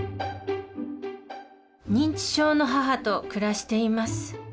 認知症の母と暮らしています。